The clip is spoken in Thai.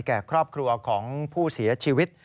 แก่ครอบครัวของผู้เสียชีวิต